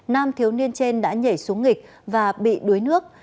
nam thiếu niên trên đã nhảy xuống nghịch và bị đuối nước